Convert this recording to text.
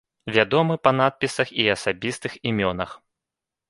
Вядомы па надпісах і асабістых імёнах.